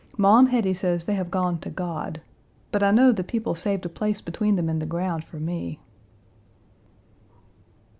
Maum Hetty says they have gone to God, but I know the people saved a place between them in the ground for me."